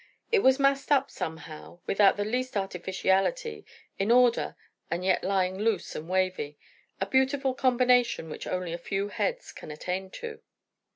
It was massed up somehow, without the least artificiality, in order, and yet lying loose and wavy; a beautiful combination which only a few heads can attain to.